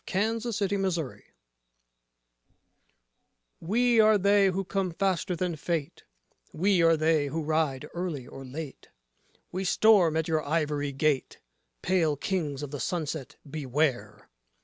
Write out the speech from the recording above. WAR SONG OF THE SARACENS We are they who come faster than fate: we are they who ride early or late: We storm at your ivory gate: Pale Kings of the Sunset, beware!